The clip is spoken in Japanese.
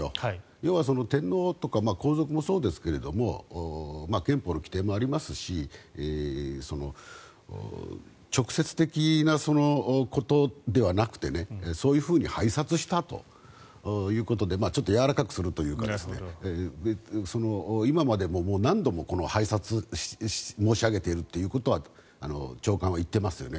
要は天皇とか皇族もそうですけども憲法の規定もありますし直接的なことではなくてそういうふうに拝察したということでちょっとやわらかくするというか今までも何度も拝察申し上げているということは長官は言っていますよね。